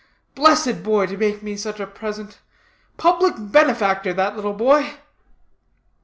Blessed boy to make me such a present. Public benefactor, that little boy!"